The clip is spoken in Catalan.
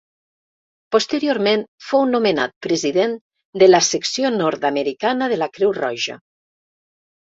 Posteriorment fou nomenat president de la secció nord-americana de la Creu Roja.